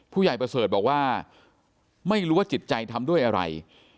ประเสริฐบอกว่าไม่รู้ว่าจิตใจทำด้วยอะไร